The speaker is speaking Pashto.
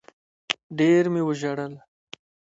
ډېر مي وژړل